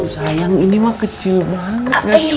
sayang ini mah kecil banget